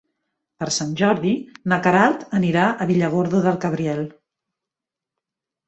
Per Sant Jordi na Queralt anirà a Villargordo del Cabriel.